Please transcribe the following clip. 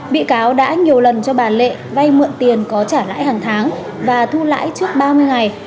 bị cáo đã nhiều lần cho bà lệ vay mượn tiền có trả lãi hàng tháng và thu lãi trước ba mươi ngày